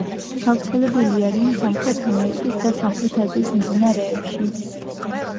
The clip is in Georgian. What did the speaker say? გავრცელებული არიან სამხრეთ ამერიკისა და სამხრეთ აზიის მდინარეებში.